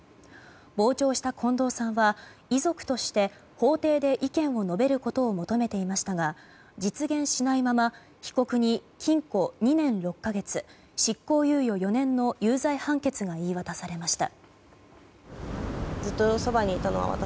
傍聴した近藤さんは遺族として法廷で意見を述べることを求めていましたが実現しないまま被告に禁錮２年６か月執行猶予４年の有罪判決が言い渡されました。